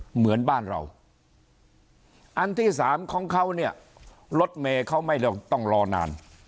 เหมือนบ้านเราอันที่สามของเขาเนี่ยรถเมย์เขาไม่ต้องรอนาน